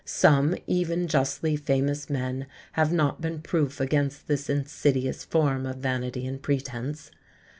Some even justly famous men have not been proof against this insidious form of vanity and pretence.